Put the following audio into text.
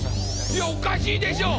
いやおかしいでしょう！